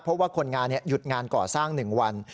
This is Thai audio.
เพราะว่าคนงานหยุดงานก่อสร้าง๑วัน